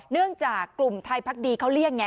เนื่องจากกลุ่มไทยพักดีเขาเลี่ยงไง